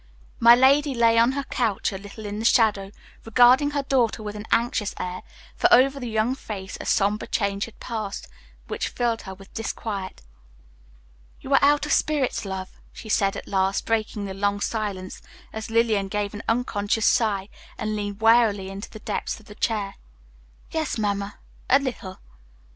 My lady lay on her couch, a little in the shadow, regarding her daughter with an anxious air, for over the young face a somber change had passed which filled her with disquiet. "You are out of spirits, love," she said at last, breaking the long silence, as Lillian gave an unconscious sigh and leaned wearily into the depths of her chair. "Yes, Mamma, a little."